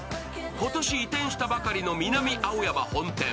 今年移転したばかりの南青山本店。